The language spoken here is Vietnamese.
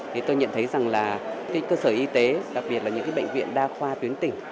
thì tôi nhận thấy rằng là cơ sở y tế đặc biệt là những bệnh viện đa khoa tuyến tỉnh